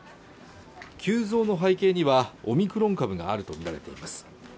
急増の背景にはオミクロン株があると見られています